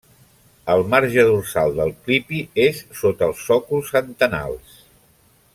El marge dorsal del clipi és sota els sòcols antenals.